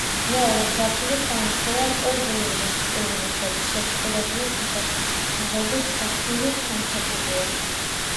მეორე სართული სამი მხრიდან ორ იარუსად შეწყვილებული თაღებით გახსნილი ფანჩატურია.